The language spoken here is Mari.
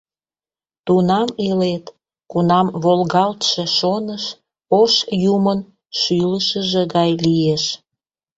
Тунам илет, кунам волгалтше шоныш Ош Юмын шӱлышыжӧ гай лиеш!